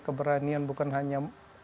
keberanian bukan hanya